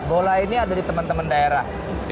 bola ini ada di teman teman daerah